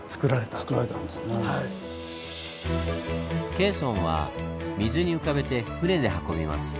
ケーソンは水に浮かべて船で運びます。